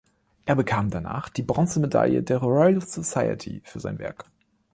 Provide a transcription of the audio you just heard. Er bekam danach die Bronzemedaille der Royal Society für sein Werk.